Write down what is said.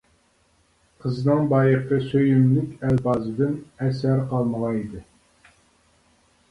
قىزنىڭ بايىقى سۆيۈملۈك ئەلپازىدىن ئەسەر قالمىغان ئىدى.